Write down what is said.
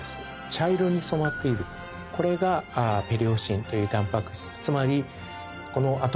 茶色に染まっているこれがペリオスチンというタンパク質。